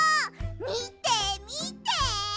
みてみて！